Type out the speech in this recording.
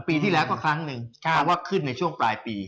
ปีที่แล้วก็ครั้งหนึ่งเพราะว่าขึ้นในช่วงปลายปี